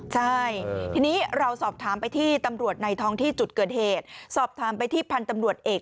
ใช่ทีนี้เราสอบถามไปที่ตำรวจในท้องที่จุดเกิดเหตุสอบถามไปที่พันธุ์ตำรวจเอก